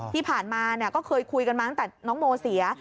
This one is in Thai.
ที่ผ่านมาก็เคยคุยกันมาตั้งแต่น้องโมเสีย